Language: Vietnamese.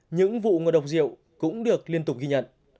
những vụ ngộ độc rượu cũng được liên tục ghi nhận